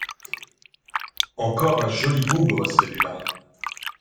Encore un joli bougre, celui-là!...